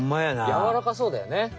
やわらかそうだよね。